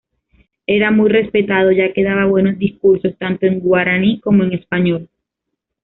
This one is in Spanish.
Era muy respetado, ya que daba buenos discursos, tanto en guaraní, como en español.